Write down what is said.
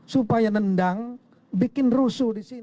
supaya nendang bikin rusuh di sini